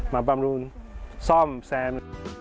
บำรุนซ่อมแซม